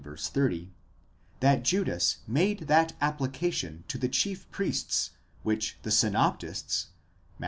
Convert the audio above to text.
30), that Judas made that appli cation to the chief priests which the synoptists (Matt.